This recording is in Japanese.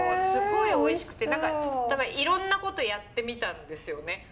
すごいおいしくてだからいろんなことやってみたんですよね。